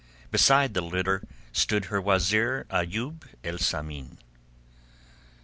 Beside the litter stood her wazeer Ayoub el Samin.